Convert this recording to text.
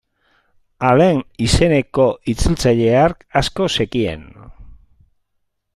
Alain izeneko itzultzaile hark asko zekien.